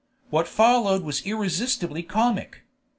What followed was irresistibly comic.